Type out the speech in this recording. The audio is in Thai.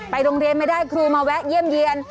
โรงเรียนไม่ได้ครูมาแวะเยี่ยมเยี่ยน